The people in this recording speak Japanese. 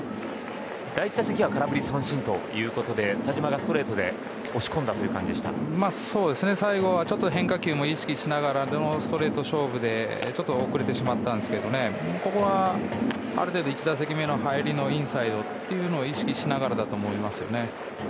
第１打席は空振り三振ということで田嶋がストレートで最後はちょっと変化球も意識しながらでのストレート勝負でちょっと遅れてしまいましたがここは、ある程度１打席目の入りのインサイドを意識しながらだと思います。